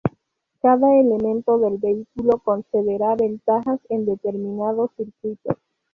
Cada elemento del vehículo concederá ventajas en determinados circuitos.